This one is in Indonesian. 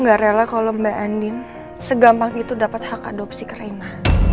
aku gak rela kalau mbak andin segampang itu dapat hak adopsi ke reina